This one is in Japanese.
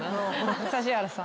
指原さん。